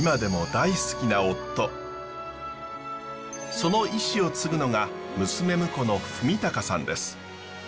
その遺志を継ぐのが娘婿の文隆さんです。